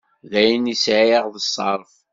D ayen i sɛiɣ d ṣṣerf.